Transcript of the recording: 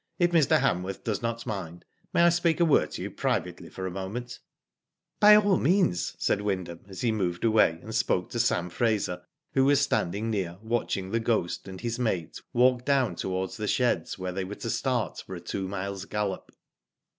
If Mr. Hanworth does not mind, may I speak a word to you privately for a poment ?" "By all meaps," said Wyndham, as he moved Digitized byGoogk 214 ^^O DID ITf away and spoke to Sam Fraser who was standing near watching The Ghost and his mate walk down towards the sheds where they were to start for a two miles gallop.